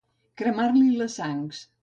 Cremar-li les sangs.